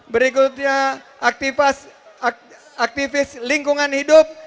berikutnya aktivis lingkungan hidup